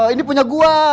ini punya gue